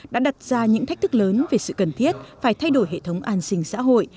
tốc độ nhanh chóng đã đặt ra những thách thức lớn về sự cần thiết phải thay đổi hệ thống an sinh xã hội